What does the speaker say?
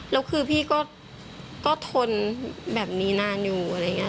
แล้วคือพี่ก็ทนแบบนี้นานอยู่อะไรอย่างนี้